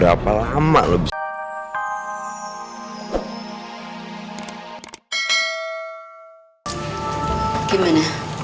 saya gak mau saya keguguran